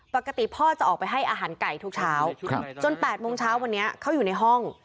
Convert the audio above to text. ปกติพ่อจะออกไปให้อาหารไก่ทุกเช้าจน๘โมงเช้าวันนี้เขาอยู่ในห้อง